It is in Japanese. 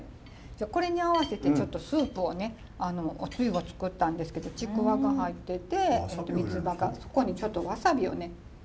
これに合わせてちょっとスープをねおつゆを作ったんですけどちくわが入っててみつばがここにちょっとわさびをね。